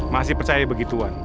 masih percaya begituan